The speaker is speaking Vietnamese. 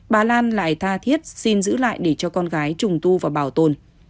bà lan lại tha thiết xin giữ lại để cho con gái trùng tu và bảo tồn